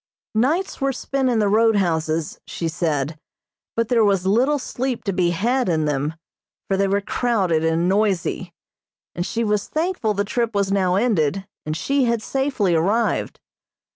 Nights were spent in the roadhouses, she said, but there was little sleep to be had in them, for they were crowded and noisy, and she was thankful the trip was now ended, and she had safely arrived.